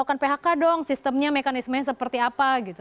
tapi jangan lakukan phk dong sistemnya mekanismenya seperti apa